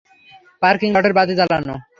Parking লটের বাতি জ্বালানো!